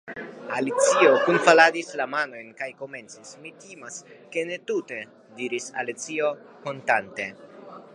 Alicio kunfaldis la manojn kaj komencis: "Mi timas ke ne tute " diris Alicio hontante.